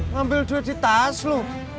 ngambil duit di tas lu